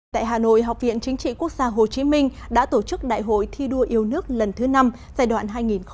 tại hà nội học viện chính trị quốc gia hồ chí minh đã tổ chức đại hội thi đua yêu nước lần thứ năm giai đoạn hai nghìn hai mươi hai nghìn hai mươi năm